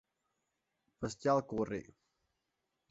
Pescar al curri.